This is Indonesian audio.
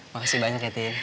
makasih banyak ya tin